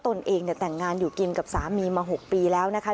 ตนเองแต่งงานอยู่กินกับสามีมา๖ปีแล้วนะคะ